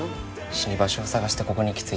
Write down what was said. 死に場所を探してここに行き着いたんだ。